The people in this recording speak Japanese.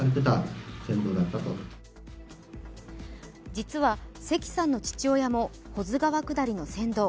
実は、関さんの父親も保津川下りの船頭。